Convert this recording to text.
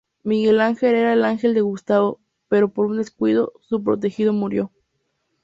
Miguel Ángel era el ángel de Gustavo, pero por un descuido, su protegido murió.